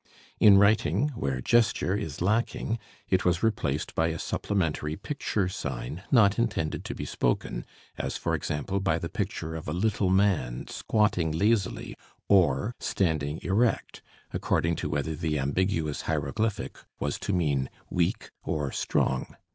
In writing, where gesture is lacking, it was replaced by a supplementary picture sign not intended to be spoken, as for example by the picture of a little man squatting lazily or standing erect, according to whether the ambiguous hieroglyphic was to mean "weak" or "strong."